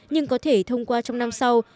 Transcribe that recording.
nhưng có thể thông qua trong năm sau